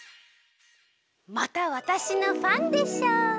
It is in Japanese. またわたしのファンでしょう。